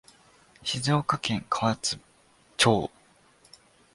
静岡県河津町